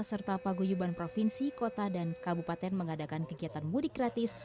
serta paguyuban provinsi kota dan kabupaten mengadakan kegiatan mudik gratis